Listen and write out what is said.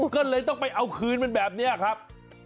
ก็เลยต้องไปเอาคืนมันแบบนี้ครับ